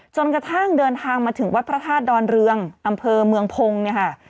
จนกระทั่งเดินทางมาถึงวัดพระธาตุดอนเรืองอำเภอเมืองพงศ์เนี่ยค่ะ